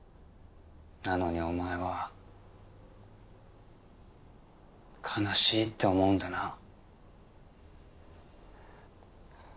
なのにお前は悲しいって思うんだな。